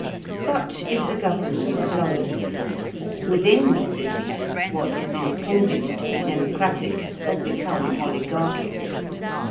Such is the government of London. Within the City what was intended to be democratic has become oligarchic.